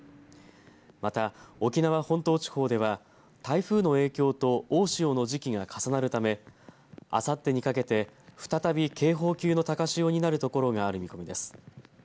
また、沖縄本島地方では台風の影響と大潮の時期が重なるためあさってにかけて、再び警報級の高潮になるところがある見込みです。